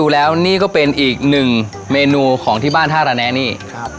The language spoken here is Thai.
แล้วนี่ก็เป็นอีกหนึ่งเมนูของที่บ้านท่าระแนะนี่ครับ